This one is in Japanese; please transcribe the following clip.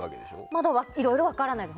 まだいろいろ分からないです。